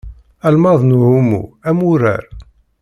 Almad n uɛumu am wurar.